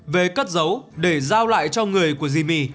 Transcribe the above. về cất dấu để giao lại cho người của jimmy